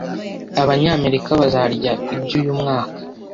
abanyamerika bazarya ibyo uyu mwaka